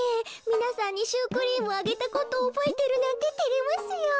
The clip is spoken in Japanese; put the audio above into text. みなさんにシュークリームあげたことおぼえてるなんててれますよ。